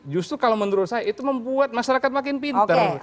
justru kalau menurut saya itu membuat masyarakat makin pinter